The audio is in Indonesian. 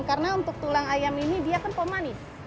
karena untuk tulang ayam ini dia kan pemanis